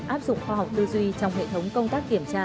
áp dụng khoa học tư duy trong hệ thống công tác kiểm tra